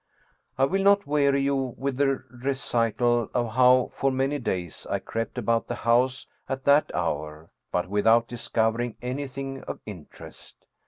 I will not weary you with the recital of how for many days I crept about the house at that hour, but without discovering anything of interest.